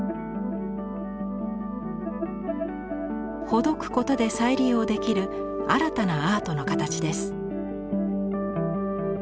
ほどくことで再利用できる新たなアートの形です。